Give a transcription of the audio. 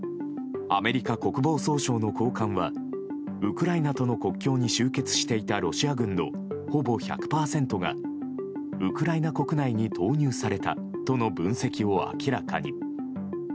アメリカ国防総省の高官はウクライナとの国境に集結していたロシア軍のほぼ１００％がウクライナ国内に投入されたとの分析を明らかに。